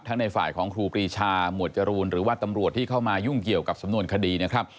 ในฝ่ายของครูปรีชาหมวดจรูนหรือว่าตำรวจที่เข้ามายุ่งเกี่ยวกับสำนวนคดีนะครับ